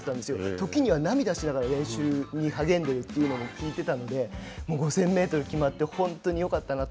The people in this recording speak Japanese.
時には涙しながら練習に励んでいるということも聞いてたので５０００メートルが決まって本当によかったなと。